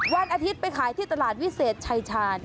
วันอาทิตย์ไปขายที่ตลาดวิเศษชายชาญ